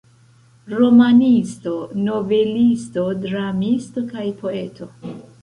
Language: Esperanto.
Romanisto, novelisto, dramisto kaj poeto.